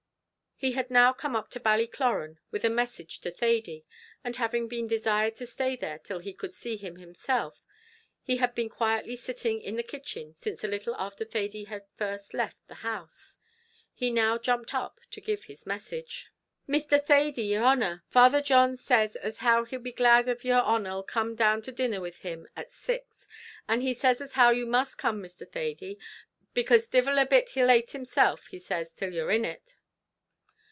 He had now come up to Ballycloran with a message to Thady, and having been desired to stay there till he could see him himself, he had been quietly sitting in the kitchen since a little after Thady had first left the house; he now jumped up to give his message. "Misther Thady, yer honer, Father John says as how he'll be glad av yer honer'll come down to dinner with him at six; and he says as how you must come, Mr. Thady, because divil a bit he'll ate himself, he says, till you're in it."